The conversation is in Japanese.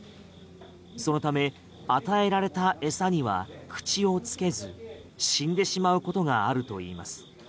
そのため与えられた餌には口をつけず死んでしまうことがあるといいます。